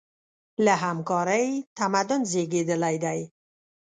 له همکارۍ تمدن زېږېدلی دی.